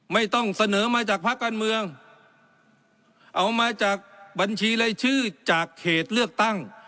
ไม่ต้องเสนอมาจากภาคการเมืองเอามาจากบัญชีรายชื่อจากเขตเลือกตั้ง